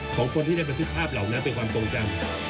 ของคนที่ได้บันทึกภาพเหล่านั้นเป็นความทรงจำ